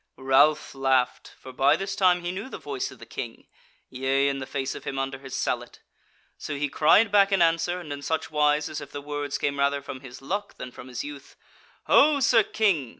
Ralph laughed; for by this time he knew the voice of the King, yea, and the face of him under his sallet. So he cried back in answer, and in such wise as if the words came rather from his luck than from his youth: "Ho, Sir King!